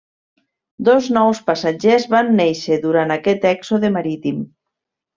Dos nous passatgers van néixer durant aquest èxode marítim.